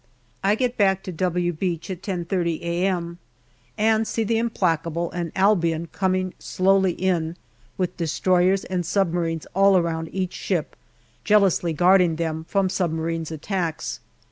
I get back to " W " Beach at 10.30 a.m. and see the Implacable and Albion coming slowly in, with destroyers and submarines all around each ship, jealously guarding them from submarines' attacks.